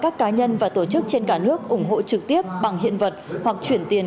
các cá nhân và tổ chức trên cả nước ủng hộ trực tiếp bằng hiện vật hoặc chuyển tiền